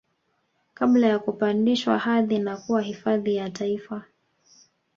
Kabla ya kupandishwa hadhi na kuwa hifadhi ya taifa